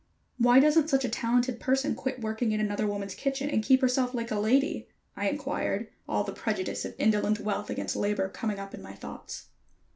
"Why doesn't such a talented person quit working in another woman's kitchen and keep herself like a lady?" I inquired, all the prejudice of indolent wealth against labor coming up in my thoughts.